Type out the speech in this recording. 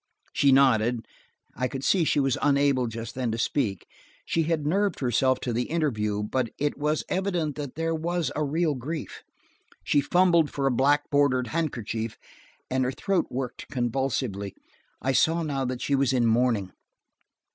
She nodded. I could see she was unable, just then, to speak. She had nerved herself to the interview, but it was evident that there was a real grief. She fumbled for a black bordered handkerchief, and her throat worked convulsively. I saw now that she was in mourning.